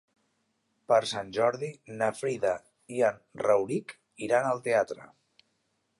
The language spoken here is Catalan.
Per Sant Jordi na Frida i en Rauric iran al teatre.